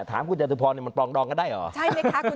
ถามคุณจัตรุพรมันปรองดองกันได้หรอ